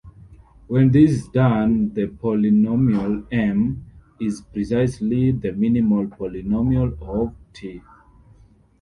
When this is done, the polynomial "m" is precisely the minimal polynomial of "T".